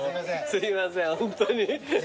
すいませんホントに。